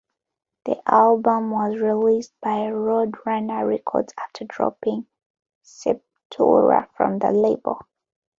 The album was released by Roadrunner Records after dropping Sepultura from the label.